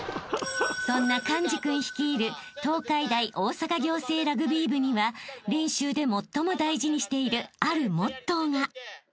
［そんな寛治君率いる東海大大阪仰星ラグビー部には練習で最も大事にしているあるモットーが］